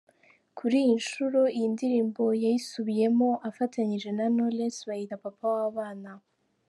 Kuri iyi nshuro iyi ndirimbo yayiysubiyemo afatanyije na Knowless bayita Papa wabana.